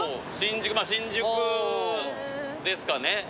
まあ新宿ですかね